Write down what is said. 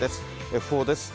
訃報です。